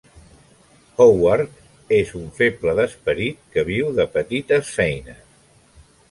Howard és un feble d'esperit que viu de petites feines.